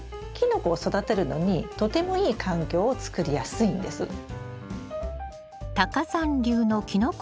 キノコを育てるのにとてもいい環境を作りやすいんです。